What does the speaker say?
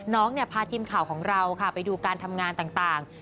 น้องเนี่ยพาทีมข่าวของเราค่ะไปดูการทำงานต่าง